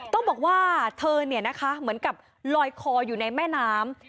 ต้องบอกว่าเธอเหมือนกับลอยคออยู่ในแม่น้ำ